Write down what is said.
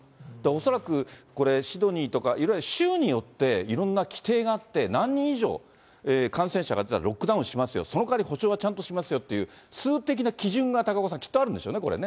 恐らくシドニーとか、いわゆる州によっていろんな規定があって、何人以上感染者が出たらロックダウンしますよ、その代わり補償はちゃんとしますよって、数値的な基準がきっとあるんでしょうね、これね。